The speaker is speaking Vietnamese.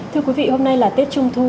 thưa quý vị hôm nay là tết trung thu